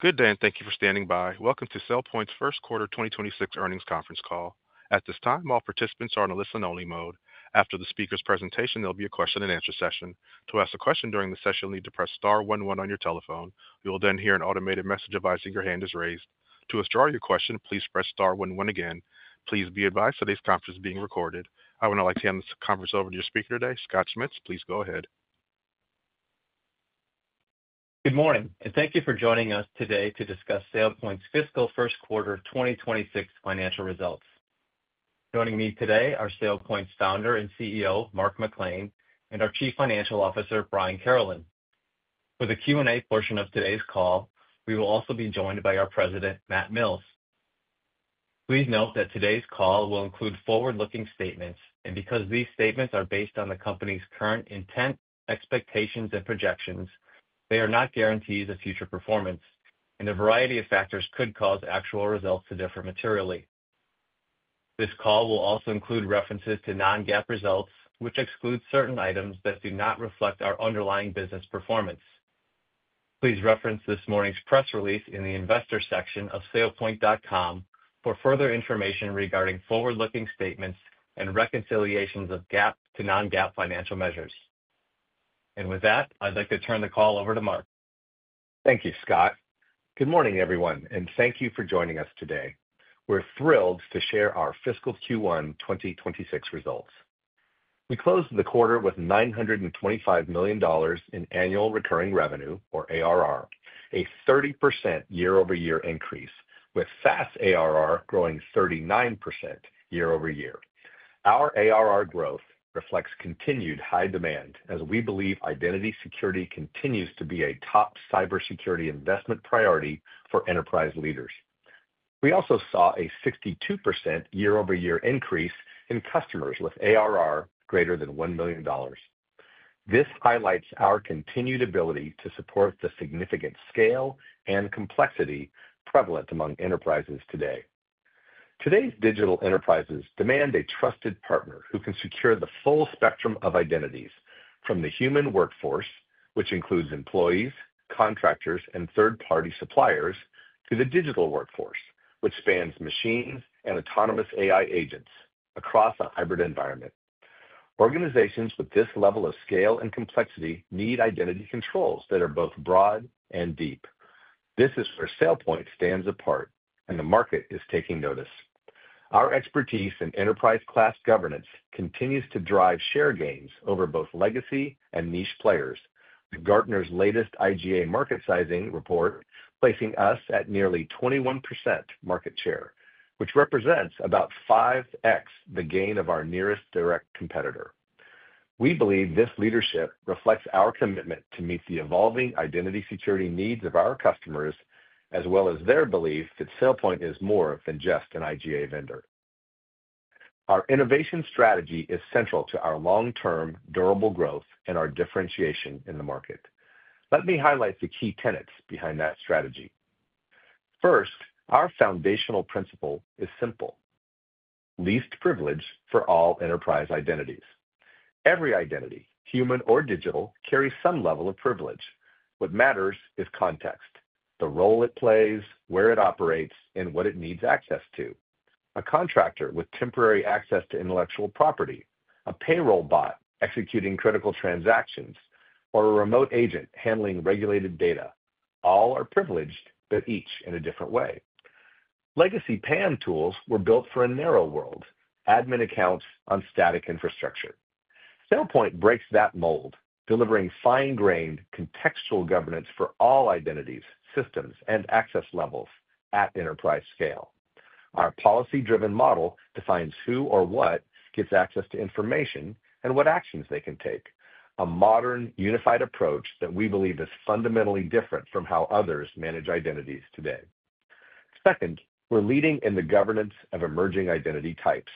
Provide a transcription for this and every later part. Good day, and thank you for standing by. Welcome to SailPoint's first quarter 2026 earnings conference call. At this time, all participants are on a listen-only mode. After the speaker's presentation, there'll be a question-and-answer session. To ask a question during the session, you'll need to press star 11 on your telephone. You will then hear an automated message advising your hand is raised. To withdraw your question, please press star 11 again. Please be advised today's conference is being recorded. I would now like to hand this conference over to your speaker today, Scott Schmitz. Please go ahead. Good morning, and thank you for joining us today to discuss SailPoint's fiscal first quarter 2026 financial results. Joining me today are SailPoint's founder and CEO, Mark McClain, and our Chief Financial Officer, Brian Carolan. For the Q&A portion of today's call, we will also be joined by our President, Matt Mills. Please note that today's call will include forward-looking statements, and because these statements are based on the company's current intent, expectations, and projections, they are not guarantees of future performance, and a variety of factors could cause actual results to differ materially. This call will also include references to non-GAAP results, which exclude certain items that do not reflect our underlying business performance. Please reference this morning's press release in the investor section of sailpoint.com for further information regarding forward-looking statements and reconciliations of GAAP to non-GAAP financial measures. With that, I'd like to turn the call over to Mark. Thank you, Scott. Good morning, everyone, and thank you for joining us today. We're thrilled to share our fiscal Q1 2026 results. We closed the quarter with $925 million in annual recurring revenue, or ARR, a 30% year-over-year increase, with fast ARR growing 39% year-over-year. Our ARR growth reflects continued high demand as we believe identity security continues to be a top cybersecurity investment priority for enterprise leaders. We also saw a 62% year-over-year increase in customers with ARR greater than $1 million. This highlights our continued ability to support the significant scale and complexity prevalent among enterprises today. Today's digital enterprises demand a trusted partner who can secure the full spectrum of identities, from the human workforce, which includes employees, contractors, and third-party suppliers, to the digital workforce, which spans machines and autonomous AI agents across a hybrid environment. Organizations with this level of scale and complexity need identity controls that are both broad and deep. This is where SailPoint stands apart, and the market is taking notice. Our expertise in enterprise-class governance continues to drive share gains over both legacy and niche players, with Gartner's latest IGA market sizing report placing us at nearly 21% market share, which represents about 5x the gain of our nearest direct competitor. We believe this leadership reflects our commitment to meet the evolving identity security needs of our customers, as well as their belief that SailPoint is more than just an IGA vendor. Our innovation strategy is central to our long-term durable growth and our differentiation in the market. Let me highlight the key tenets behind that strategy. First, our foundational principle is simple: least privilege for all enterprise identities. Every identity, human or digital, carries some level of privilege. What matters is context: the role it plays, where it operates, and what it needs access to. A contractor with temporary access to intellectual property, a payroll bot executing critical transactions, or a remote agent handling regulated data—all are privileged, but each in a different way. Legacy PAM tools were built for a narrow world: admin accounts on static infrastructure. SailPoint breaks that mold, delivering fine-grained, contextual governance for all identities, systems, and access levels at enterprise scale. Our policy-driven model defines who or what gets access to information and what actions they can take—a modern, unified approach that we believe is fundamentally different from how others manage identities today. Second, we're leading in the governance of emerging identity types,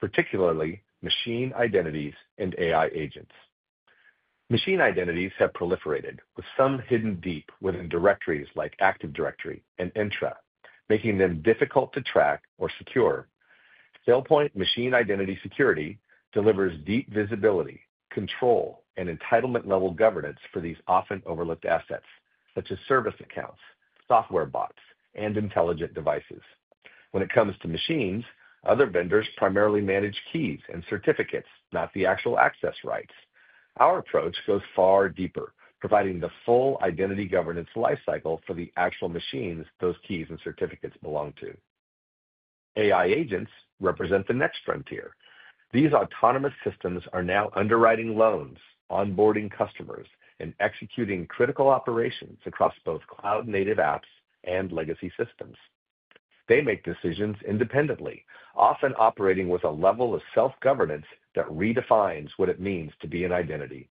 particularly machine identities and AI agents. Machine identities have proliferated, with some hidden deep within directories like Active Directory and Entra, making them difficult to track or secure. SailPoint Machine Identity Security delivers deep visibility, control, and entitlement-level governance for these often overlooked assets, such as service accounts, software bots, and intelligent devices. When it comes to machines, other vendors primarily manage keys and certificates, not the actual access rights. Our approach goes far deeper, providing the full identity governance lifecycle for the actual machines those keys and certificates belong to. AI agents represent the next frontier. These autonomous systems are now underwriting loans, onboarding customers, and executing critical operations across both cloud-native apps and legacy systems. They make decisions independently, often operating with a level of self-governance that redefines what it means to be an identity.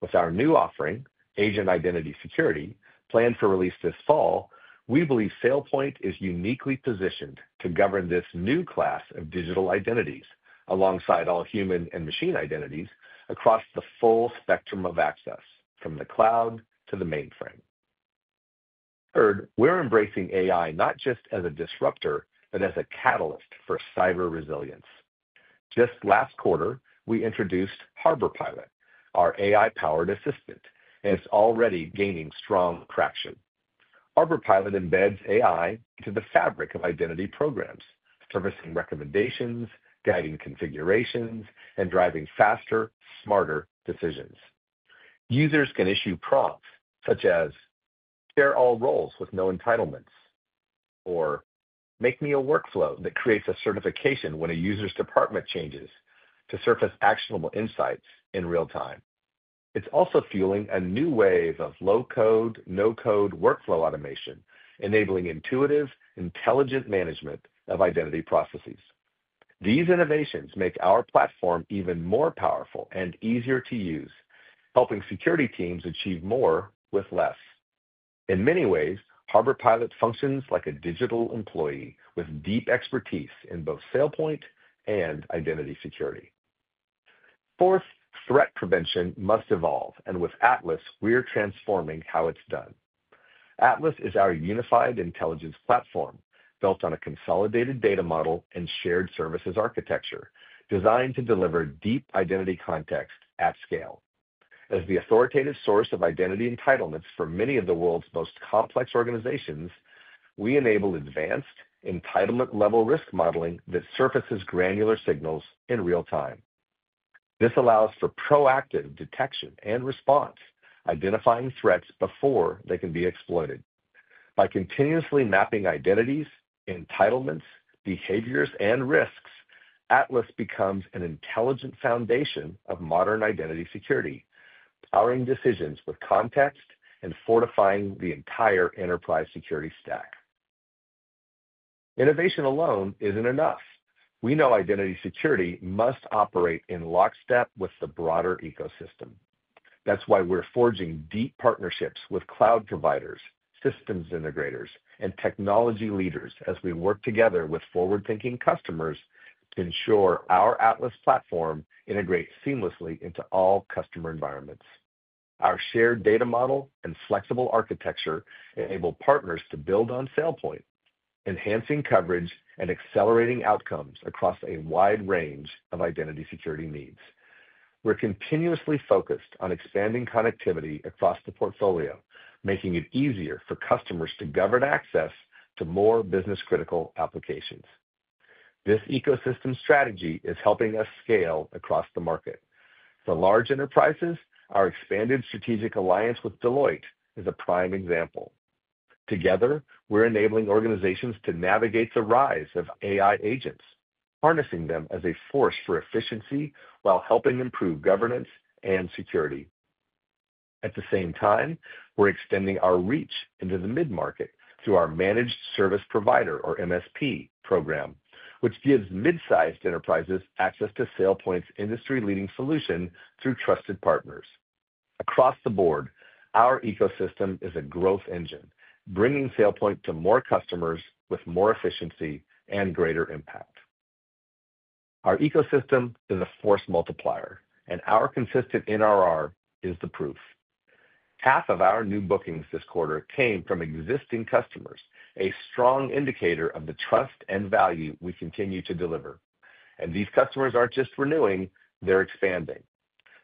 With our new offering, Agent Identity Security, planned for release this fall, we believe SailPoint is uniquely positioned to govern this new class of digital identities, alongside all human and machine identities, across the full spectrum of access, from the cloud to the mainframe. Third, we're embracing AI not just as a disruptor, but as a catalyst for cyber resilience. Just last quarter, we introduced HarborPilot, our AI-powered assistant, and it's already gaining strong traction. HarborPilot embeds AI into the fabric of identity programs, servicing recommendations, guiding configurations, and driving faster, smarter decisions. Users can issue prompts such as, "Share all roles with no entitlements," or, "Make me a workflow that creates a certification when a user's department changes," to surface actionable insights in real time. It's also fueling a new wave of low-code, no-code workflow automation, enabling intuitive, intelligent management of identity processes. These innovations make our platform even more powerful and easier to use, helping security teams achieve more with less. In many ways, HarborPilot functions like a digital employee with deep expertise in both SailPoint and identity security. Fourth, threat prevention must evolve, and with Atlas, we are transforming how it is done. Atlas is our unified intelligence platform built on a consolidated data model and shared services architecture, designed to deliver deep identity context at scale. As the authoritative source of identity entitlements for many of the world's most complex organizations, we enable advanced entitlement-level risk modeling that surfaces granular signals in real time. This allows for proactive detection and response, identifying threats before they can be exploited. By continuously mapping identities, entitlements, behaviors, and risks, Atlas becomes an intelligent foundation of modern identity security, powering decisions with context and fortifying the entire enterprise security stack. Innovation alone is not enough. We know identity security must operate in lockstep with the broader ecosystem. That's why we're forging deep partnerships with cloud providers, systems integrators, and technology leaders as we work together with forward-thinking customers to ensure our Atlas platform integrates seamlessly into all customer environments. Our shared data model and flexible architecture enable partners to build on SailPoint, enhancing coverage and accelerating outcomes across a wide range of identity security needs. We're continuously focused on expanding connectivity across the portfolio, making it easier for customers to govern access to more business-critical applications. This ecosystem strategy is helping us scale across the market. For large enterprises, our expanded strategic alliance with Deloitte is a prime example. Together, we're enabling organizations to navigate the rise of AI agents, harnessing them as a force for efficiency while helping improve governance and security. At the same time, we're extending our reach into the mid-market through our Managed Service Provider, or MSP, program, which gives mid-sized enterprises access to SailPoint's industry-leading solution through trusted partners. Across the board, our ecosystem is a growth engine, bringing SailPoint to more customers with more efficiency and greater impact. Our ecosystem is a force multiplier, and our consistent NRR is the proof. Half of our new bookings this quarter came from existing customers, a strong indicator of the trust and value we continue to deliver. These customers aren't just renewing; they're expanding.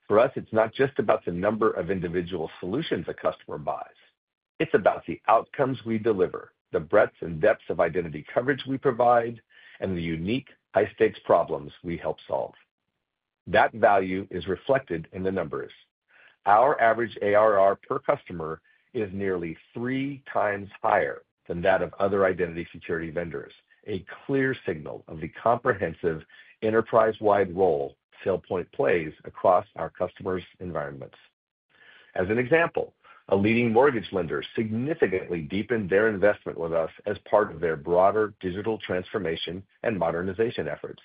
For us, it's not just about the number of individual solutions a customer buys. It's about the outcomes we deliver, the breadth and depth of identity coverage we provide, and the unique, high-stakes problems we help solve. That value is reflected in the numbers. Our average ARR per customer is nearly three times higher than that of other identity security vendors, a clear signal of the comprehensive enterprise-wide role SailPoint plays across our customers' environments. As an example, a leading mortgage lender significantly deepened their investment with us as part of their broader digital transformation and modernization efforts.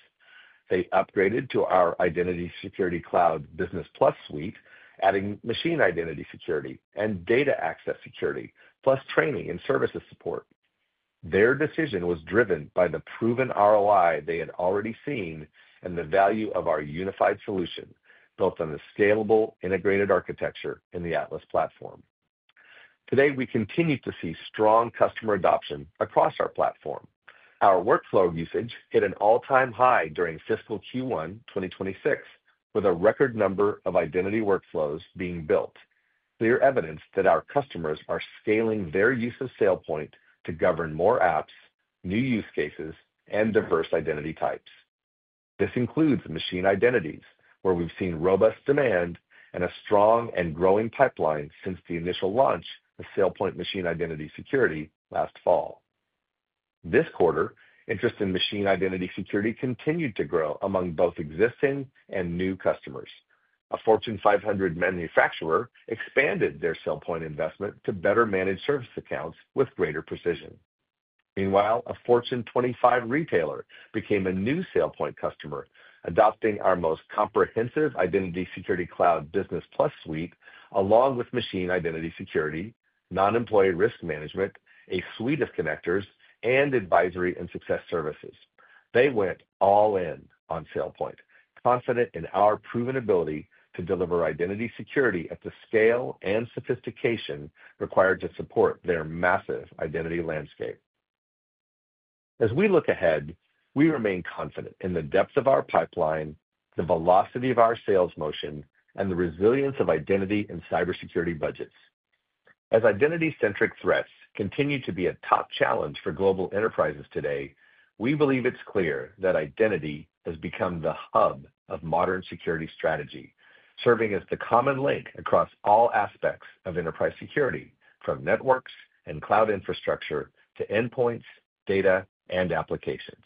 They upgraded to our Identity Security Cloud Business Plus suite, adding Machine Identity Security and Data Access Security, plus training and services support. Their decision was driven by the proven ROI they had already seen and the value of our unified solution built on a scalable, integrated architecture in the Atlas platform. Today, we continue to see strong customer adoption across our platform. Our workflow usage hit an all-time high during fiscal Q1 2026, with a record number of identity workflows being built, clear evidence that our customers are scaling their use of SailPoint to govern more apps, new use cases, and diverse identity types. This includes machine identities, where we've seen robust demand and a strong and growing pipeline since the initial launch of SailPoint Machine Identity Security last fall. This quarter, interest in Machine Identity Security continued to grow among both existing and new customers. A Fortune 500 manufacturer expanded their SailPoint investment to better manage service accounts with greater precision. Meanwhile, a Fortune 25 retailer became a new SailPoint customer, adopting our most comprehensive Identity Security Cloud Business Plus suite, along with Machine Identity Security, Non-Employee Risk Management, a suite of connectors, and advisory and success services. They went all in on SailPoint, confident in our proven ability to deliver identity security at the scale and sophistication required to support their massive identity landscape. As we look ahead, we remain confident in the depth of our pipeline, the velocity of our sales motion, and the resilience of identity and cybersecurity budgets. As identity-centric threats continue to be a top challenge for global enterprises today, we believe it's clear that identity has become the hub of modern security strategy, serving as the common link across all aspects of enterprise security, from networks and cloud infrastructure to endpoints, data, and applications.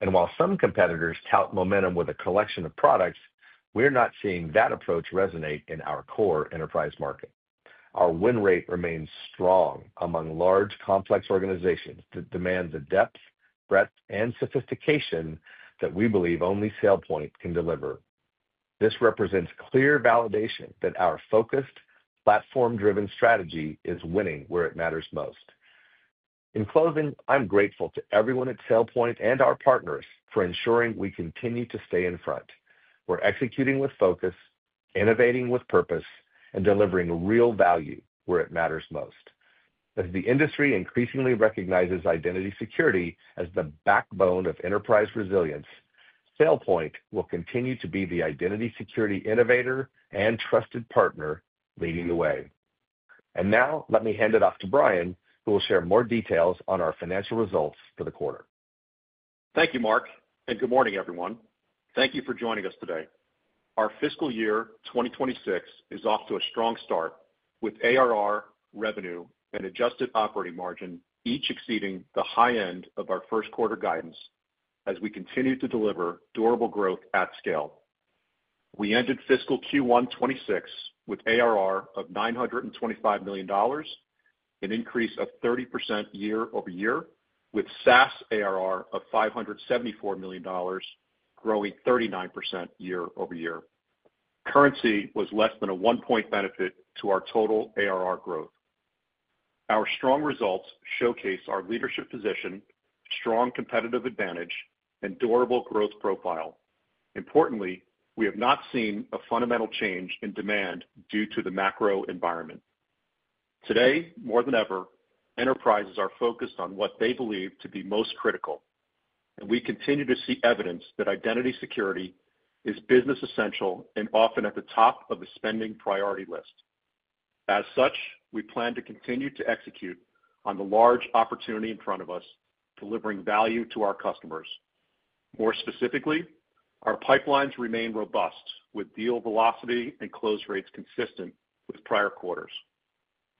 While some competitors tout momentum with a collection of products, we're not seeing that approach resonate in our core enterprise market. Our win rate remains strong among large, complex organizations that demand the depth, breadth, and sophistication that we believe only SailPoint can deliver. This represents clear validation that our focused, platform-driven strategy is winning where it matters most. In closing, I'm grateful to everyone at SailPoint and our partners for ensuring we continue to stay in front. We're executing with focus, innovating with purpose, and delivering real value where it matters most. As the industry increasingly recognizes identity security as the backbone of enterprise resilience, SailPoint will continue to be the identity security innovator and trusted partner leading the way. Now, let me hand it off to Brian, who will share more details on our financial results for the quarter. Thank you, Mark, and good morning, everyone. Thank you for joining us today. Our fiscal year 2026 is off to a strong start with ARR, revenue, and adjusted operating margin each exceeding the high end of our first quarter guidance as we continue to deliver durable growth at scale. We ended fiscal Q1 2026 with ARR of $925 million, an increase of 30% year over year, with SaaS ARR of $574 million, growing 39% year over year. Currency was less than a one-point benefit to our total ARR growth. Our strong results showcase our leadership position, strong competitive advantage, and durable growth profile. Importantly, we have not seen a fundamental change in demand due to the macro environment. Today, more than ever, enterprises are focused on what they believe to be most critical. We continue to see evidence that identity security is business-essential and often at the top of the spending priority list. As such, we plan to continue to execute on the large opportunity in front of us, delivering value to our customers. More specifically, our pipelines remain robust, with deal velocity and close rates consistent with prior quarters.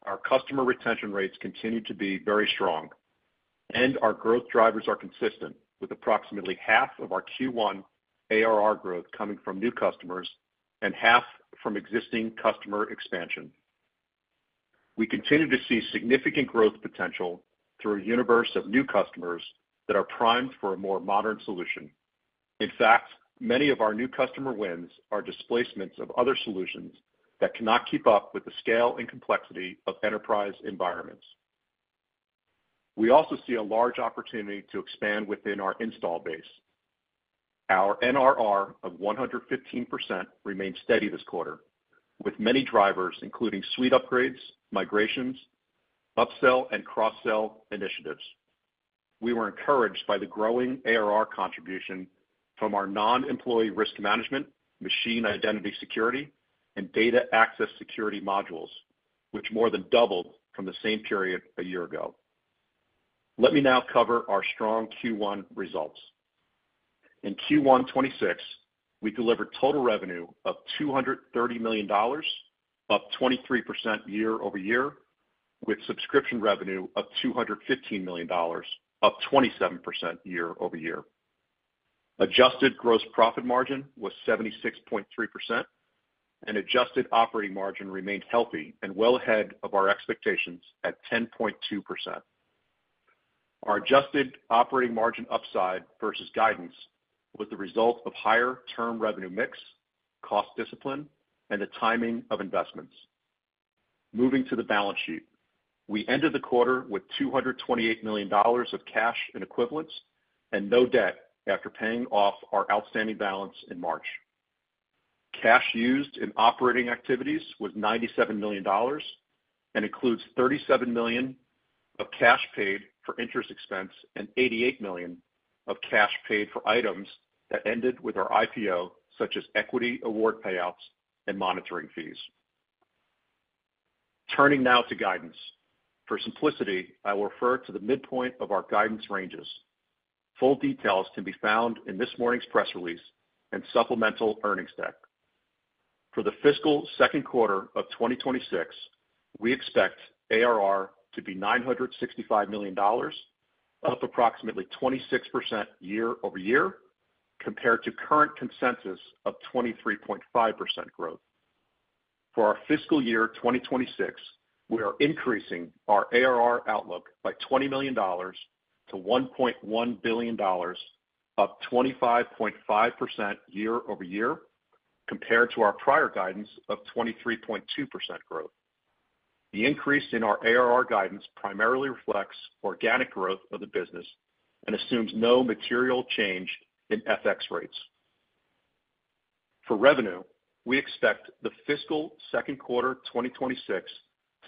Our customer retention rates continue to be very strong, and our growth drivers are consistent, with approximately half of our Q1 ARR growth coming from new customers and half from existing customer expansion. We continue to see significant growth potential through a universe of new customers that are primed for a more modern solution. In fact, many of our new customer wins are displacements of other solutions that cannot keep up with the scale and complexity of enterprise environments. We also see a large opportunity to expand within our install base. Our NRR of 115% remained steady this quarter, with many drivers, including suite upgrades, migrations, upsell, and cross-sell initiatives. We were encouraged by the growing ARR contribution from our Non-Employee Risk Management, Machine Identity Security, and Data Access Security modules, which more than doubled from the same period a year ago. Let me now cover our strong Q1 results. In Q1 2026, we delivered total revenue of $230 million, up 23% year over year, with subscription revenue of $215 million, up 27% year over year. Adjusted gross profit margin was 76.3%, and adjusted operating margin remained healthy and well ahead of our expectations at 10.2%. Our adjusted operating margin upside versus guidance was the result of higher term revenue mix, cost discipline, and the timing of investments. Moving to the balance sheet, we ended the quarter with $228 million of cash and equivalents and no debt after paying off our outstanding balance in March. Cash used in operating activities was $97 million and includes $37 million of cash paid for interest expense and $88 million of cash paid for items that ended with our IPO, such as equity award payouts and monitoring fees. Turning now to guidance. For simplicity, I will refer to the midpoint of our guidance ranges. Full details can be found in this morning's press release and supplemental earnings deck. For the fiscal second quarter of 2026, we expect ARR to be $965 million, up approximately 26% year over year compared to current consensus of 23.5% growth. For our fiscal year 2026, we are increasing our ARR outlook by $20 million to $1.1 billion, up 25.5% year over year compared to our prior guidance of 23.2% growth. The increase in our ARR guidance primarily reflects organic growth of the business and assumes no material change in FX rates. For revenue, we expect the fiscal second quarter 2026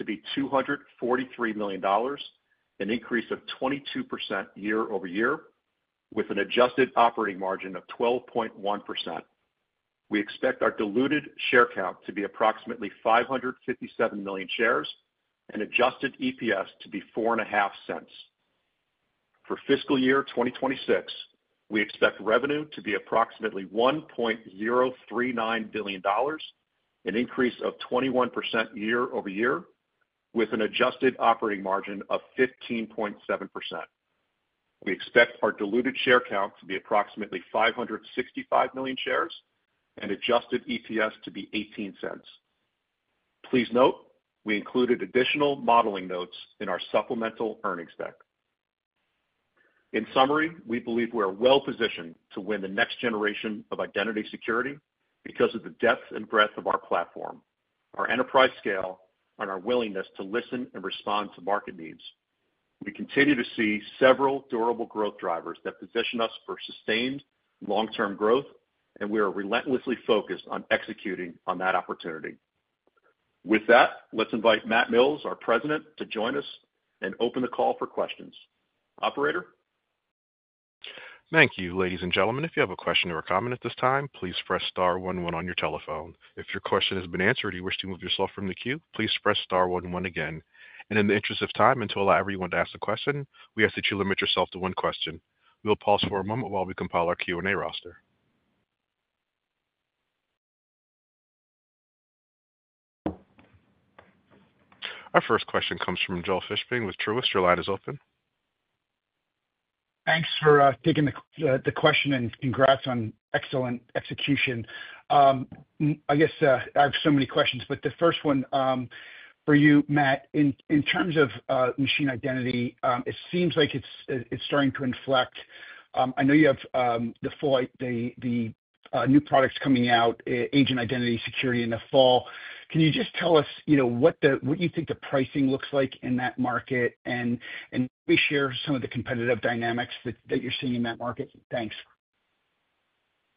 to be $243 million, an increase of 22% year over year, with an adjusted operating margin of 12.1%. We expect our diluted share count to be approximately 557 million shares and adjusted EPS to be $0.045. For fiscal year 2026, we expect revenue to be approximately $1.039 billion, an increase of 21% year over year, with an adjusted operating margin of 15.7%. We expect our diluted share count to be approximately 565 million shares and adjusted EPS to be $0.18. Please note, we included additional modeling notes in our supplemental earnings deck. In summary, we believe we are well positioned to win the next generation of identity security because of the depth and breadth of our platform, our enterprise scale, and our willingness to listen and respond to market needs. We continue to see several durable growth drivers that position us for sustained long-term growth, and we are relentlessly focused on executing on that opportunity. With that, let's invite Matt Mills, our President, to join us and open the call for questions. Operator? Thank you. Ladies and gentlemen, if you have a question or a comment at this time, please press star 11 on your telephone. If your question has been answered and you wish to move yourself from the queue, please press star 11 again. In the interest of time, and to allow everyone to ask a question, we ask that you limit yourself to one question. We will pause for a moment while we compile our Q&A roster. Our first question comes from Joel Fishbein with Truist. Your line is open. Thanks for taking the question and congrats on excellent execution. I guess I have so many questions, but the first one for you, Matt, in terms of machine identity, it seems like it's starting to inflect. I know you have the new products coming out, Agent Identity Security in the fall. Can you just tell us what you think the pricing looks like in that market and maybe share some of the competitive dynamics that you're seeing in that market? Thanks.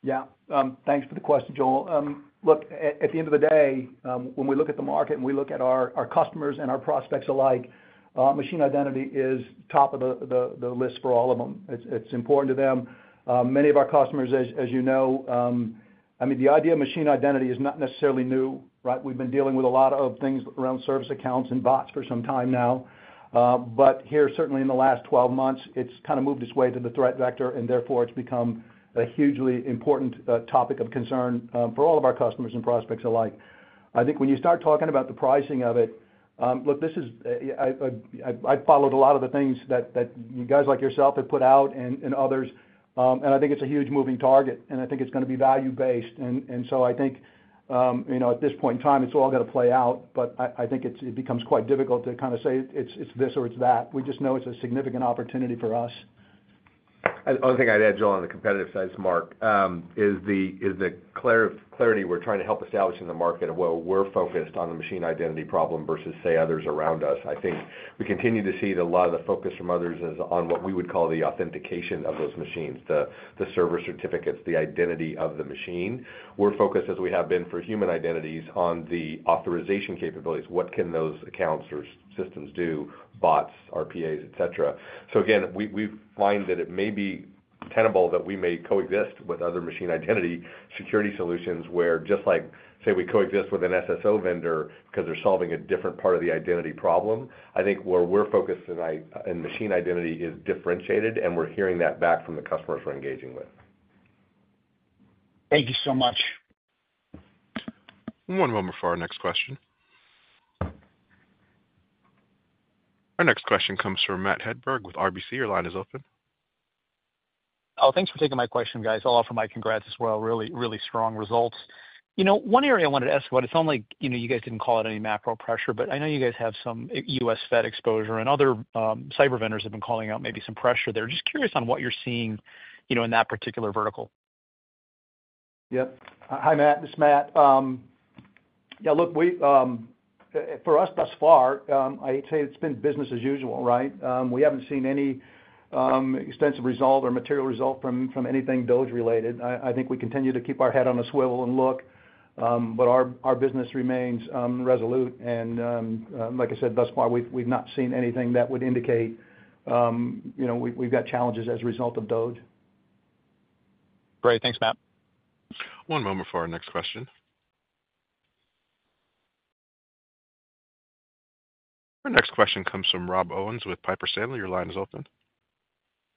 Yeah. Thanks for the question, Joel. Look, at the end of the day, when we look at the market and we look at our customers and our prospects alike, machine identity is top of the list for all of them. It's important to them. Many of our customers, as you know, I mean, the idea of machine identity is not necessarily new, right? We've been dealing with a lot of things around service accounts and bots for some time now. Here, certainly in the last 12 months, it's kind of moved its way to the threat vector, and therefore it's become a hugely important topic of concern for all of our customers and prospects alike. I think when you start talking about the pricing of it, look, I've followed a lot of the things that you guys like yourself have put out and others, and I think it's a huge moving target, and I think it's going to be value-based. I think at this point in time, it's all going to play out, but I think it becomes quite difficult to kind of say it's this or it's that. We just know it's a significant opportunity for us. I think I'd add, Joel, on the competitive side, Mark, is the clarity we're trying to help establish in the market of where we're focused on the machine identity problem versus, say, others around us. I think we continue to see that a lot of the focus from others is on what we would call the authentication of those machines, the server certificates, the identity of the machine. We're focused, as we have been for human identities, on the authorization capabilities. What can those accounts or systems do, bots, RPAs, etc.? Again, we find that it may be tenable that we may coexist with other machine identity security solutions where, just like, say, we coexist with an SSO vendor because they're solving a different part of the identity problem. I think where we're focused tonight in machine identity is differentiated, and we're hearing that back from the customers we're engaging with. Thank you so much. One moment for our next question. Our next question comes from Matt Hedberg with RBC. Your line is open. Oh, thanks for taking my question, guys. I'll offer my congrats as well. Really, really strong results. One area I wanted to ask about, it sounds like you guys didn't call out any macro pressure, but I know you guys have some U.S. Fed exposure, and other cyber vendors have been calling out maybe some pressure there. Just curious on what you're seeing in that particular vertical. Yep. Hi, Matt. This is Matt. Yeah, look, for us thus far, I'd say it's been business as usual, right? We haven't seen any extensive result or material result from anything DOGE-related. I think we continue to keep our head on a swivel and look, but our business remains resolute. Like I said, thus far, we've not seen anything that would indicate we've got challenges as a result of DOGE. Great. Thanks, Matt. One moment for our next question. Our next question comes from Robbie Owens with Piper Sandler. Your line is open.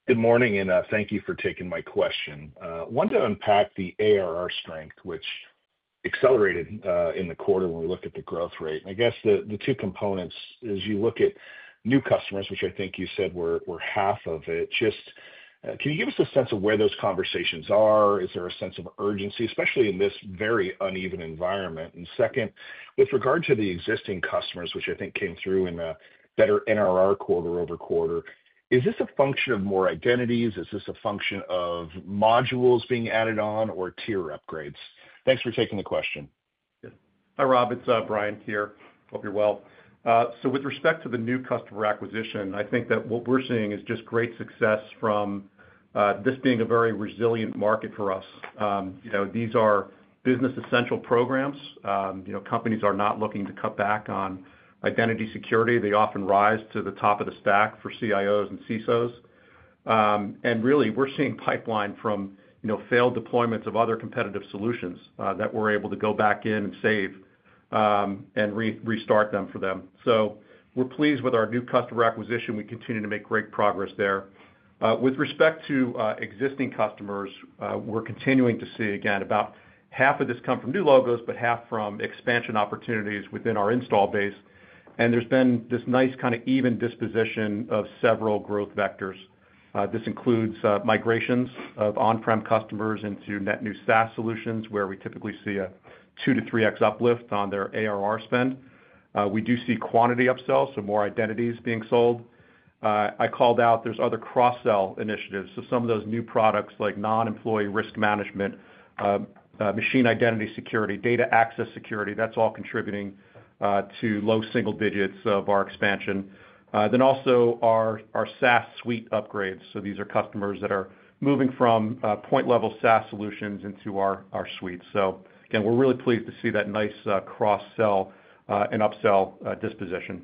Good morning, and thank you for taking my question. I wanted to unpack the ARR strength, which accelerated in the quarter when we looked at the growth rate. I guess the two components, as you look at new customers, which I think you said were half of it, just can you give us a sense of where those conversations are? Is there a sense of urgency, especially in this very uneven environment? Second, with regard to the existing customers, which I think came through in a better NRR quarter over quarter, is this a function of more identities? Is this a function of modules being added on or tier upgrades? Thanks for taking the question. Hi, Rob. It's Brian here. Hope you're well. With respect to the new customer acquisition, I think that what we're seeing is just great success from this being a very resilient market for us. These are business-essential programs. Companies are not looking to cut back on identity security. They often rise to the top of the stack for CIOs and CISOs. Really, we're seeing pipeline from failed deployments of other competitive solutions that we're able to go back in and save and restart them for them. We're pleased with our new customer acquisition. We continue to make great progress there. With respect to existing customers, we're continuing to see, again, about half of this come from new logos, but half from expansion opportunities within our install base. There's been this nice kind of even disposition of several growth vectors. This includes migrations of on-prem customers into net new SaaS solutions, where we typically see a 2-3x uplift on their ARR spend. We do see quantity upsells, so more identities being sold. I called out there's other cross-sell initiatives. Some of those new products like Non-Employee Risk Management, Machine Identity Security, Data Access Security, that's all contributing to low single digits of our expansion. Also our SaaS suite upgrades. These are customers that are moving from point-level SaaS solutions into our suite. Again, we're really pleased to see that nice cross-sell and upsell disposition.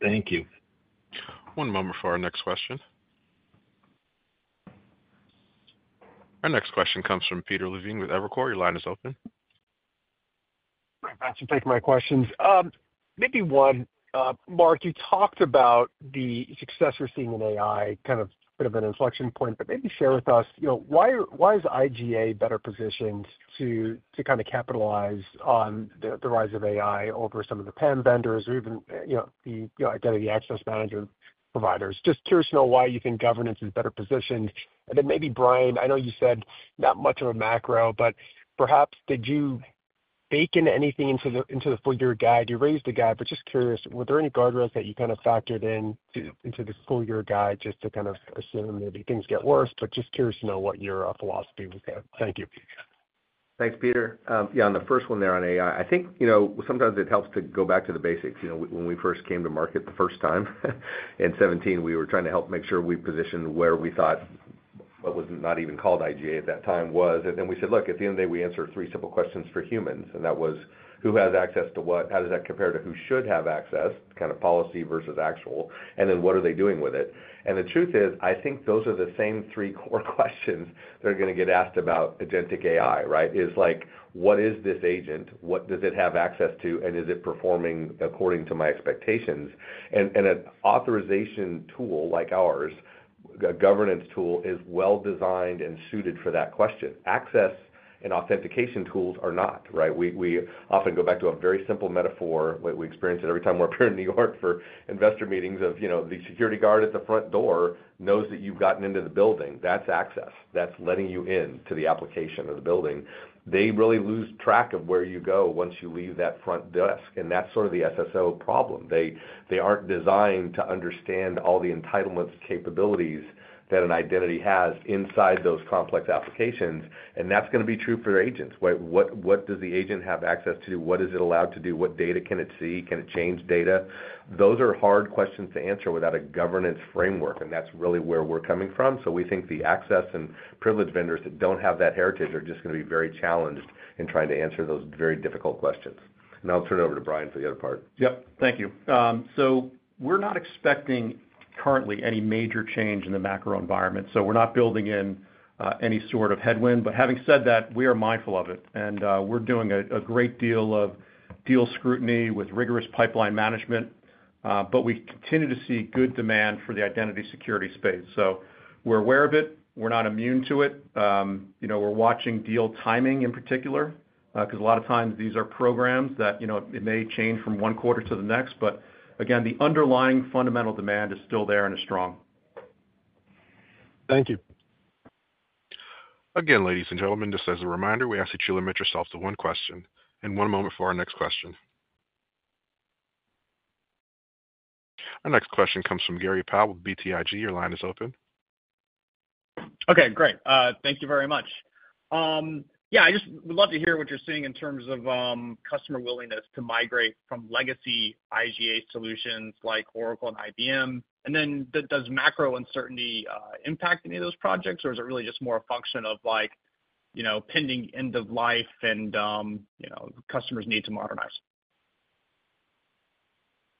Thank you. One moment for our next question. Our next question comes from Peter Levine with Evercore. Your line is open. Thanks for taking my questions. Maybe one, Mark, you talked about the success we're seeing in AI, kind of a bit of an inflection point, but maybe share with us, why is IGA better positioned to kind of capitalize on the rise of AI over some of the PAM vendors or even the identity access management providers? Just curious to know why you think governance is better positioned. Then maybe, Brian, I know you said not much of a macro, but perhaps did you bake in anything into the full-year guide? You raised the guide, but just curious, were there any guardrails that you kind of factored into the full-year guide just to kind of assume maybe things get worse? Just curious to know what your philosophy was there. Thank you. Thanks, Peter. Yeah, on the first one there on AI, I think sometimes it helps to go back to the basics. When we first came to market the first time in 2017, we were trying to help make sure we positioned where we thought what was not even called IGA at that time was. We said, "Look, at the end of the day, we answer three simple questions for humans." That was, who has access to what? How does that compare to who should have access, kind of policy versus actual? What are they doing with it? The truth is, I think those are the same three core questions that are going to get asked about agentic AI, right? It's like, what is this agent? What does it have access to? Is it performing according to my expectations? An authorization tool like ours, a governance tool, is well-designed and suited for that question. Access and authentication tools are not, right? We often go back to a very simple metaphor. We experience it every time we're up here in New York for investor meetings of the security guard at the front door knows that you've gotten into the building. That's access. That's letting you into the application of the building. They really lose track of where you go once you leave that front desk. That is sort of the SSO problem. They aren't designed to understand all the entitlements, capabilities that an identity has inside those complex applications. That is going to be true for agents. What does the agent have access to? What is it allowed to do? What data can it see? Can it change data? Those are hard questions to answer without a governance framework. That is really where we're coming from. We think the access and privilege vendors that do not have that heritage are just going to be very challenged in trying to answer those very difficult questions. I will turn it over to Brian for the other part. Yep. Thank you. We are not expecting currently any major change in the macro environment. We are not building in any sort of headwind. Having said that, we are mindful of it. We are doing a great deal of deal scrutiny with rigorous pipeline management. We continue to see good demand for the identity security space. We are aware of it. We are not immune to it. We are watching deal timing in particular because a lot of times these are programs that may change from one quarter to the next. Again, the underlying fundamental demand is still there and is strong. Thank you. Again, ladies and gentlemen, just as a reminder, we ask that you limit yourself to one question. One moment for our next question. Our next question comes from Gray Powell with BTIG. Your line is open. Okay. Great. Thank you very much. Yeah, I just would love to hear what you're seeing in terms of customer willingness to migrate from legacy IGA solutions like Oracle and IBM. Does macro uncertainty impact any of those projects, or is it really just more a function of pending end of life and customers' need to modernize?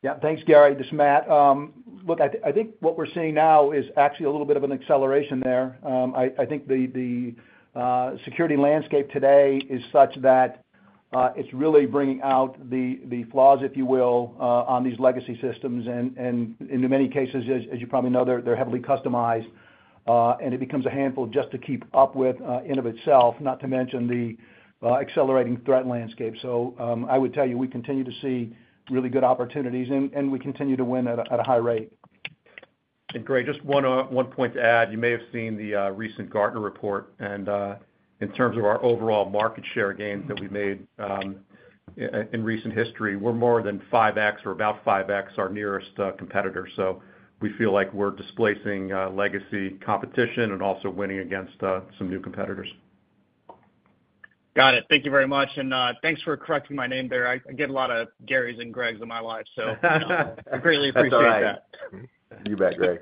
Yeah. Thanks, Gray. This is Matt. Look, I think what we're seeing now is actually a little bit of an acceleration there. I think the security landscape today is such that it's really bringing out the flaws, if you will, on these legacy systems. In many cases, as you probably know, they're heavily customized. It becomes a handful just to keep up with in of itself, not to mention the accelerating threat landscape. I would tell you we continue to see really good opportunities, and we continue to win at a high rate. Great. Just one point to add. You may have seen the recent Gartner report. In terms of our overall market share gain that we made in recent history, we're more than 5x or about 5x our nearest competitor. We feel like we're displacing legacy competition and also winning against some new competitors. Got it. Thank you very much. Thanks for correcting my name there. I get a lot of Garys and Gregs in my life, so I greatly appreciate that. You bet, Greg.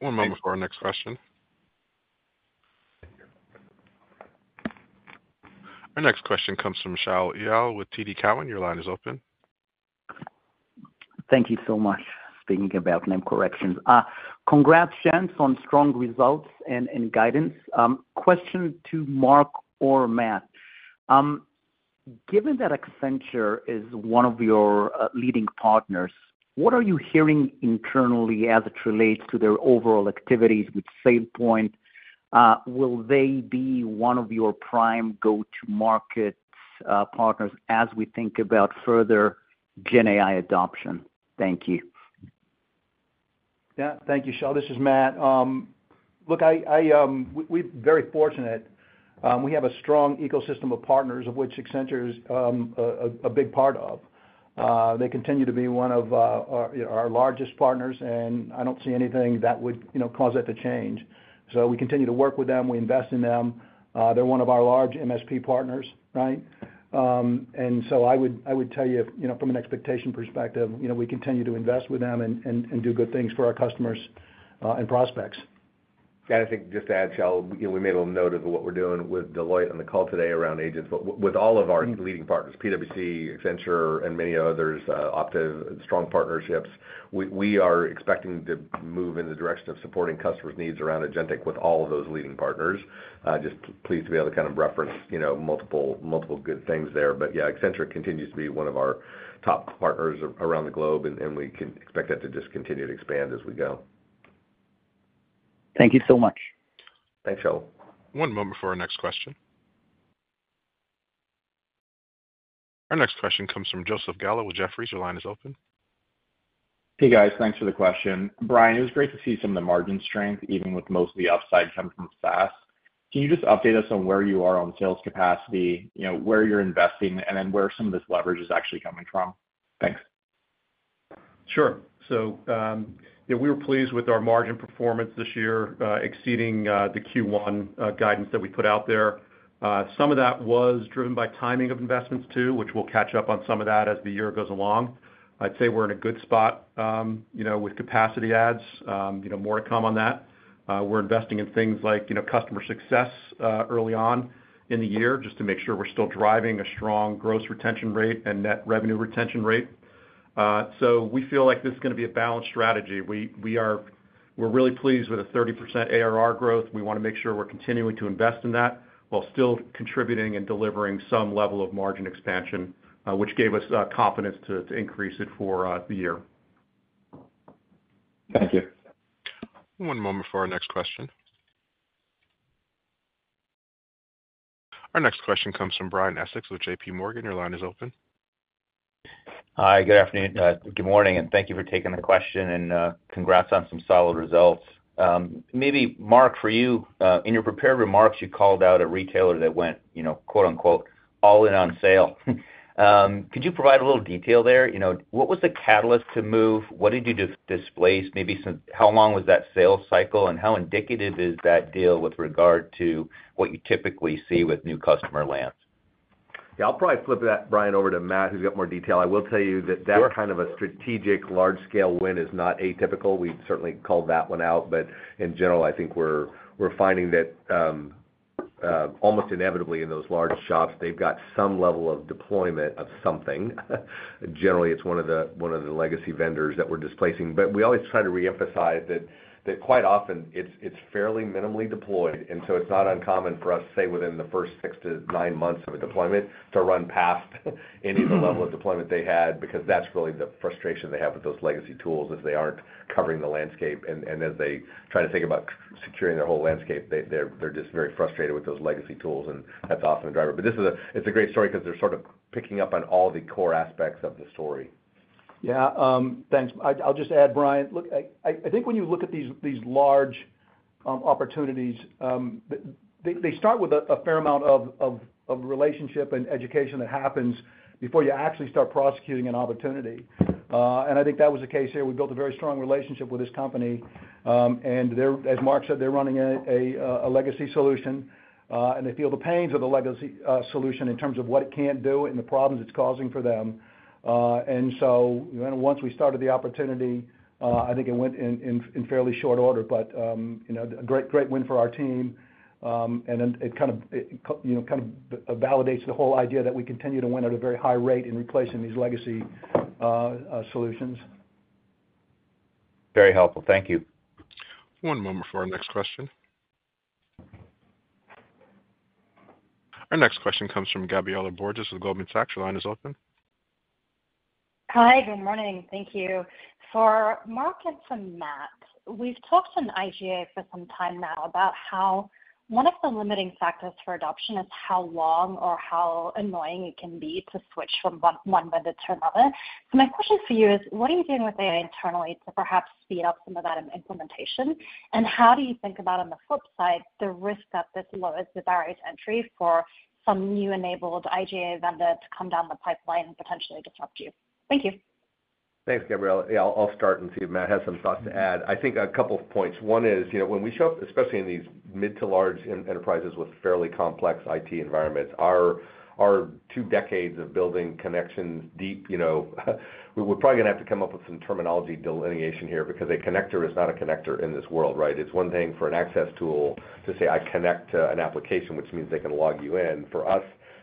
One moment for our next question. Our next question comes from Michelle Ial with TD Cowen. Your line is open. Thank you so much for speaking about name corrections. Congrats on strong results and guidance. Question to Mark or Matt. Given that Accenture is one of your leading partners, what are you hearing internally as it relates to their overall activities with SailPoint? Will they be one of your prime go-to-market partners as we think about further GenAI adoption? Thank you. Yeah. Thank you, Michelle. This is Matt. Look, we're very fortunate. We have a strong ecosystem of partners, of which Accenture is a big part of. They continue to be one of our largest partners, and I do not see anything that would cause that to change. So we continue to work with them. We invest in them. They're one of our large MSP partners, right? I would tell you, from an expectation perspective, we continue to invest with them and do good things for our customers and prospects. Yeah. I think just to add, Michelle, we made a little note of what we're doing with Deloitte on the call today around agents. With all of our leading partners, PwC, Accenture, and many others, Optus, strong partnerships, we are expecting to move in the direction of supporting customers' needs around agentic with all of those leading partners. Just pleased to be able to kind of reference multiple good things there. Yeah, Accenture continues to be one of our top partners around the globe, and we can expect that to just continue to expand as we go. Thank you so much. Thanks, Michelle. One moment for our next question. Our next question comes from Joseph Gallo with Jefferies. Your line is open. Hey, guys. Thanks for the question. Brian, it was great to see some of the margin strength, even with most of the upside coming from SaaS. Can you just update us on where you are on sales capacity, where you're investing, and then where some of this leverage is actually coming from? Thanks. Sure. We were pleased with our margin performance this year, exceeding the Q1 guidance that we put out there. Some of that was driven by timing of investments too, which we'll catch up on as the year goes along. I'd say we're in a good spot with capacity adds. More to come on that. We're investing in things like customer success early on in the year just to make sure we're still driving a strong gross retention rate and net revenue retention rate. We feel like this is going to be a balanced strategy. We're really pleased with a 30% ARR growth. We want to make sure we're continuing to invest in that while still contributing and delivering some level of margin expansion, which gave us confidence to increase it for the year. Thank you. One moment for our next question. Our next question comes from Brian Essex with JPMorgan. Your line is open. Hi. Good afternoon. Good morning. Thank you for taking the question and congrats on some solid results. Maybe, Mark, for you, in your prepared remarks, you called out a retailer that went, quote unquote, "all in on SailPoint." Could you provide a little detail there? What was the catalyst to move? What did you displace? Maybe how long was that sales cycle? How indicative is that deal with regard to what you typically see with new customer lands? Yeah. I'll probably flip that, Brian, over to Matt, who's got more detail. I will tell you that that kind of a strategic large-scale win is not atypical. We certainly called that one out. In general, I think we're finding that almost inevitably in those large shops, they've got some level of deployment of something. Generally, it's one of the legacy vendors that we're displacing. We always try to reemphasize that quite often it's fairly minimally deployed. It's not uncommon for us, say, within the first six to nine months of a deployment, to run past any of the level of deployment they had because that's really the frustration they have with those legacy tools as they aren't covering the landscape. As they try to think about securing their whole landscape, they're just very frustrated with those legacy tools. That's often the driver. It's a great story because they're sort of picking up on all the core aspects of the story. Yeah. Thanks. I'll just add, Brian. Look, I think when you look at these large opportunities, they start with a fair amount of relationship and education that happens before you actually start prosecuting an opportunity. I think that was the case here. We built a very strong relationship with this company. As Mark said, they're running a legacy solution. They feel the pains of the legacy solution in terms of what it can't do and the problems it's causing for them. Once we started the opportunity, I think it went in fairly short order. A great win for our team. It kind of validates the whole idea that we continue to win at a very high rate in replacing these legacy solutions. Very helpful. Thank you. One moment for our next question. Our next question comes from Gabriela Borges with Goldman Sachs. Your line is open. Hi. Good morning. Thank you. For Mark and for Matt, we've talked on IGA for some time now about how one of the limiting factors for adoption is how long or how annoying it can be to switch from one vendor to another. My question for you is, what are you doing with AI internally to perhaps speed up some of that implementation? How do you think about, on the flip side, the risk that this lowers the barrier to entry for some new-enabled IGA vendor to come down the pipeline and potentially disrupt you? Thank you. Thanks, Gabriela. Yeah, I'll start and see if Matt has some thoughts to add. I think a couple of points. One is, when we show up, especially in these mid to large enterprises with fairly complex IT environments, our two decades of building connections deep, we're probably going to have to come up with some terminology delineation here because a connector is not a connector in this world, right? It's one thing for an access tool to say, "I connect to an application," which means they can log you in. For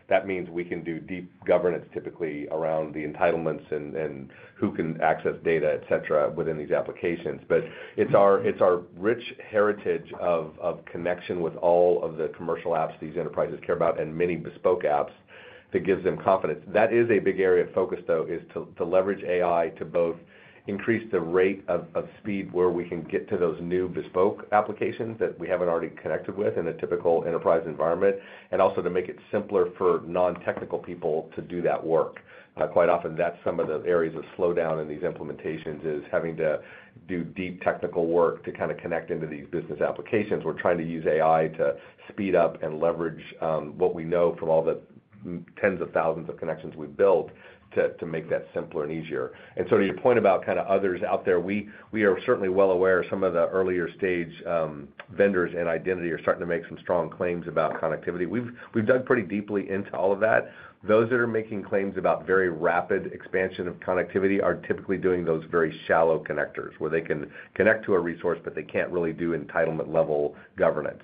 us, that means we can do deep governance typically around the entitlements and who can access data, etc., within these applications. It is our rich heritage of connection with all of the commercial apps these enterprises care about and many bespoke apps that gives them confidence. That is a big area of focus, though, is to leverage AI to both increase the rate of speed where we can get to those new bespoke applications that we have not already connected with in a typical enterprise environment, and also to make it simpler for non-technical people to do that work. Quite often, that is some of the areas of slowdown in these implementations is having to do deep technical work to kind of connect into these business applications. We are trying to use AI to speed up and leverage what we know from all the tens of thousands of connections we have built to make that simpler and easier. To your point about kind of others out there, we are certainly well aware of some of the earlier stage vendors in identity are starting to make some strong claims about connectivity. We have dug pretty deeply into all of that. Those that are making claims about very rapid expansion of connectivity are typically doing those very shallow connectors where they can connect to a resource, but they can't really do entitlement-level governance.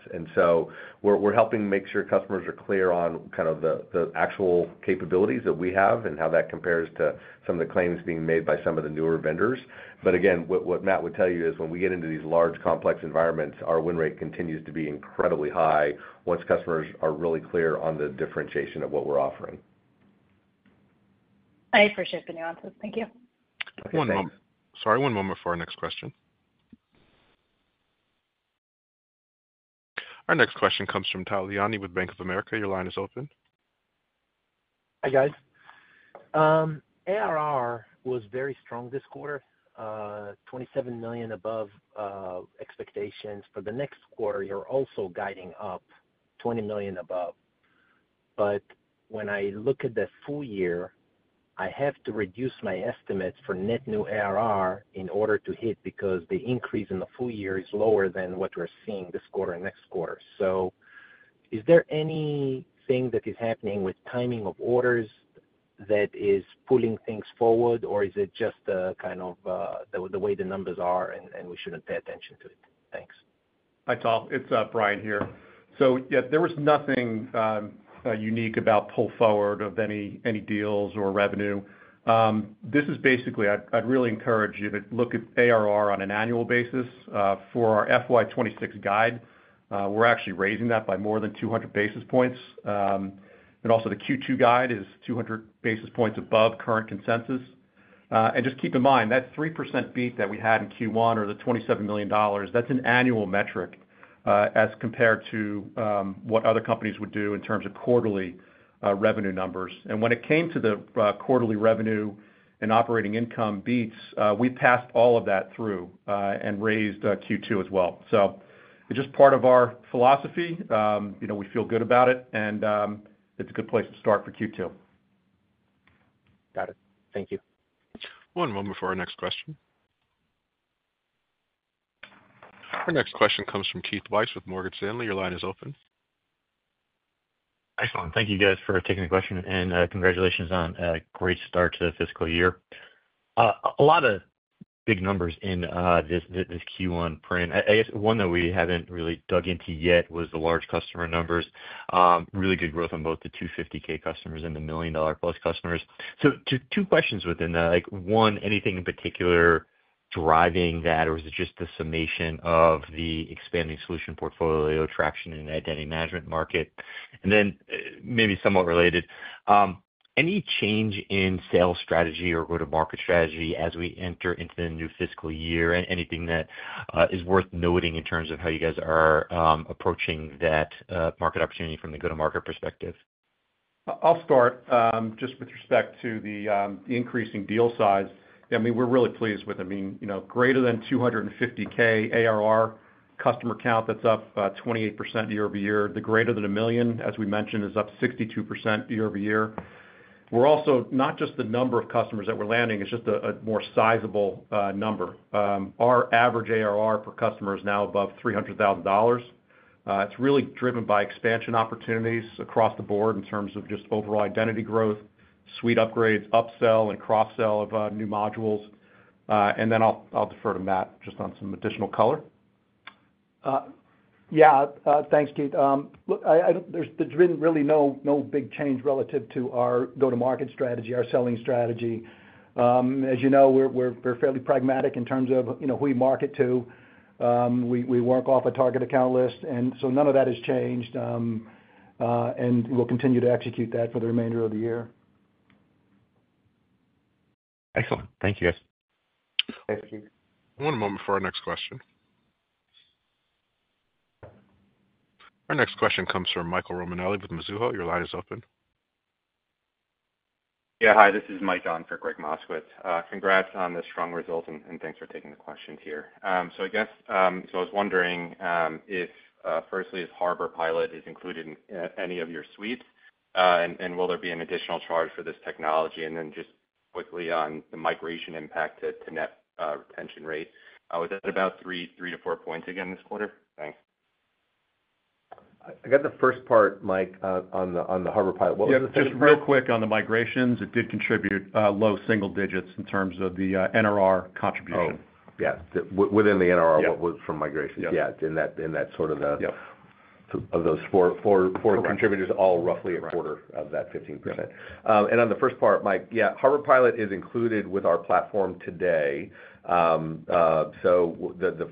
We are helping make sure customers are clear on kind of the actual capabilities that we have and how that compares to some of the claims being made by some of the newer vendors. What Matt would tell you is when we get into these large complex environments, our win rate continues to be incredibly high once customers are really clear on the differentiation of what we're offering. I appreciate the nuances. Thank you. One moment. Sorry. One moment for our next question. Our next question comes from Tal Liani with Bank of America. Your line is open. Hi, guys. ARR was very strong this quarter, $27 million above expectations for the next quarter. You're also guiding up $20 million above. When I look at the full year, I have to reduce my estimates for net new ARR in order to hit because the increase in the full year is lower than what we're seeing this quarter and next quarter. Is there anything that is happening with timing of orders that is pulling things forward, or is it just kind of the way the numbers are, and we shouldn't pay attention to it? Thanks. Hi, Tom. It's Brian here. There was nothing unique about pull forward of any deals or revenue. This is basically I'd really encourage you to look at ARR on an annual basis. For our FY2026 guide, we're actually raising that by more than 200 basis points. Also, the Q2 guide is 200 basis points above current consensus. Just keep in mind, that 3% beat that we had in Q1 or the $27 million, that's an annual metric as compared to what other companies would do in terms of quarterly revenue numbers. When it came to the quarterly revenue and operating income beats, we passed all of that through and raised Q2 as well. It is just part of our philosophy. We feel good about it, and it is a good place to start for Q2. Got it. Thank you. One moment for our next question. Our next question comes from Keith Weiss with Morgan Stanley. Your line is open. Hi, Sean. Thank you, guys, for taking the question. Congratulations on a great start to the fiscal year. A lot of big numbers in this Q1 print. I guess one that we have not really dug into yet was the large customer numbers. Really good growth on both the $250,000 customers and the million-dollar-plus customers. Two questions within that. One, anything in particular driving that, or is it just the summation of the expanding solution portfolio traction in the identity management market? Maybe somewhat related, any change in sales strategy or go-to-market strategy as we enter into the new fiscal year? Anything that is worth noting in terms of how you guys are approaching that market opportunity from the go-to-market perspective? I'll start just with respect to the increasing deal size. We're really pleased with, I mean, greater than $250,000 ARR customer count that's up 28% year over year. The greater than a million, as we mentioned, is up 62% year over year. We're also not just the number of customers that we're landing. It's just a more sizable number. Our average ARR for customers is now above $300,000. It's really driven by expansion opportunities across the board in terms of just overall identity growth, suite upgrades, upsell, and cross-sell of new modules. I'll defer to Matt just on some additional color. Yeah. Thanks, Keith. Look, there's been really no big change relative to our go-to-market strategy, our selling strategy. As you know, we're fairly pragmatic in terms of who we market to. We work off a target account list. None of that has changed. We'll continue to execute that for the remainder of the year. Excellent. Thank you, guys. Thank you. One moment for our next question. Our next question comes from Michael Romanelli with Mizuho. Your line is open. Yeah. Hi. This is Mike on for Gregg Moskowitz. Congrats on the strong results, and thanks for taking the questions here. I guess I was wondering if, firstly, if HarborPilot is included in any of your suites, and will there be an additional charge for this technology? Just quickly on the migration impact to net retention rate. Was that about three to four points again this quarter? Thanks. I got the first part, Mike, on the HarborPilot. What was the second part? Yeah. Just real quick on the migrations. It did contribute low single digits in terms of the NRR contribution. Oh. Yeah. Within the NRR, what was from migrations? Yeah. In that sort of the of those four contributors, all roughly a quarter of that 15%. On the first part, Mike, yeah, HarborPilot is included with our platform today. The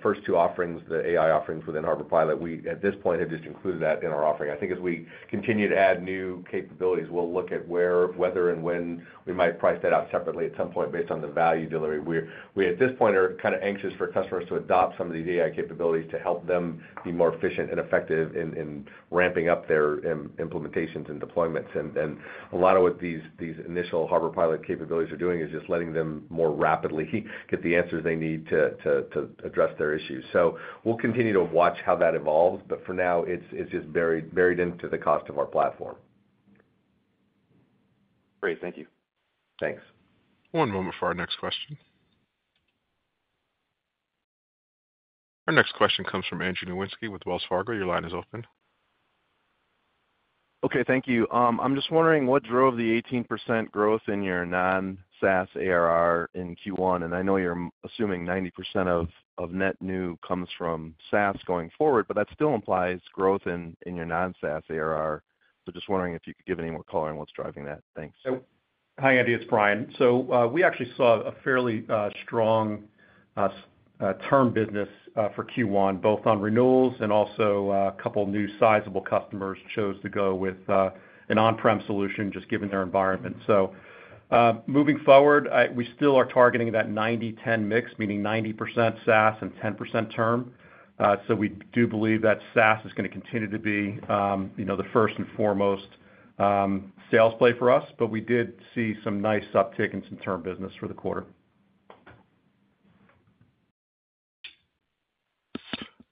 first two offerings, the AI offerings within HarborPilot, we at this point have just included that in our offering. I think as we continue to add new capabilities, we'll look at where, whether, and when we might price that out separately at some point based on the value delivery. We at this point are kind of anxious for customers to adopt some of these AI capabilities to help them be more efficient and effective in ramping up their implementations and deployments. A lot of what these initial HarborPilot capabilities are doing is just letting them more rapidly get the answers they need to address their issues. We will continue to watch how that evolves. For now, it's just buried into the cost of our platform. Great. Thank you. Thanks. One moment for our next question. Our next question comes from Andrew Nowinski with Wells Fargo. Your line is open. Okay. Thank you. I'm just wondering what drove the 18% growth in your non-SaaS ARR in Q1. I know you're assuming 90% of net new comes from SaaS going forward, but that still implies growth in your non-SaaS ARR. Just wondering if you could give any more color on what's driving that. Thanks. Hi, Andy. It's Brian. We actually saw a fairly strong term business for Q1, both on renewals and also a couple of new sizable customers chose to go with an on-prem solution just given their environment. Moving forward, we still are targeting that 90-10 mix, meaning 90% SaaS and 10% term. We do believe that SaaS is going to continue to be the first and foremost sales play for us. We did see some nice uptick in some term business for the quarter.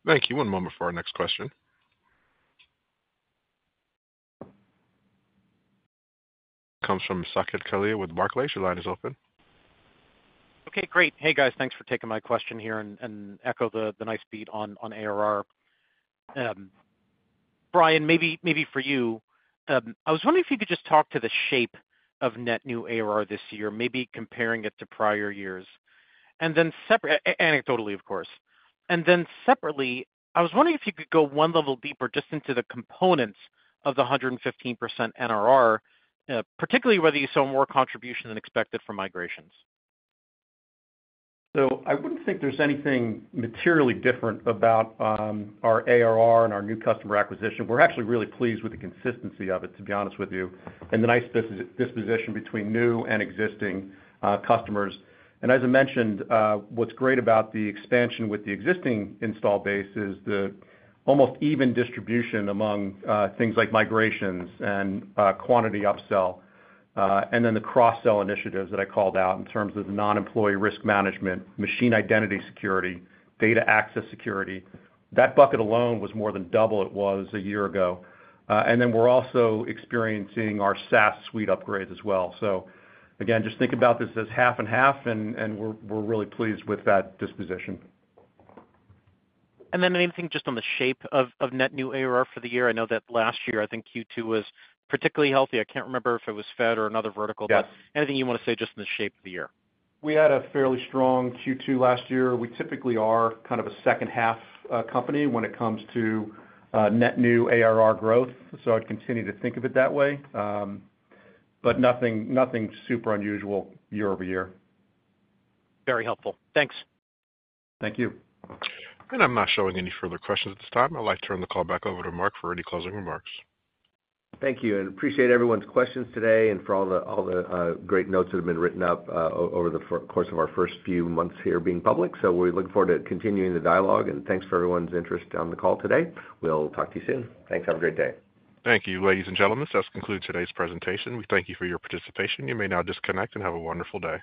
Thank you. One moment for our next question. Comes from Saket Kalia with Mark Leach. Your line is open. Okay. Great. Hey, guys. Thanks for taking my question here and echo the nice beat on ARR. Brian, maybe for you, I was wondering if you could just talk to the shape of net new ARR this year, maybe comparing it to prior years. And then anecdotally, of course. Then separately, I was wondering if you could go one level deeper just into the components of the 115% NRR, particularly whether you saw more contribution than expected for migrations. I would not think there is anything materially different about our ARR and our new customer acquisition. We are actually really pleased with the consistency of it, to be honest with you, and the nice disposition between new and existing customers. As I mentioned, what's great about the expansion with the existing install base is the almost even distribution among things like migrations and quantity upsell, and then the cross-sell initiatives that I called out in terms of the Non-Employee Risk Management, Machine Identity Security, Data Access Security. That bucket alone was more than double what it was a year ago. We're also experiencing our SaaS suite upgrades as well. Just think about this as half and half, and we're really pleased with that disposition. Anything just on the shape of net new ARR for the year? I know that last year, I think Q2 was particularly healthy. I can't remember if it was Fed or another vertical. Anything you want to say just in the shape of the year? We had a fairly strong Q2 last year. We typically are kind of a second-half company when it comes to net new ARR growth. I'd continue to think of it that way. Nothing super unusual year over year. Very helpful. Thanks. Thank you. I'm not showing any further questions at this time. I'd like to turn the call back over to Mark for any closing remarks. Thank you. Appreciate everyone's questions today and all the great notes that have been written up over the course of our first few months here being public. We look forward to continuing the dialogue. Thanks for everyone's interest on the call today. We'll talk to you soon. Thanks. Have a great day. Thank you, ladies and gentlemen. This does conclude today's presentation. We thank you for your participation. You may now disconnect and have a wonderful day.